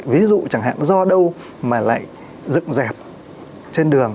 ví dụ chẳng hạn do đâu mà lại dựng dạp trên đường